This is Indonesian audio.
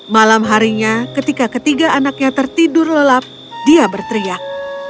malam harinya ketika ketiga anaknya tertidur lelap dia berteriak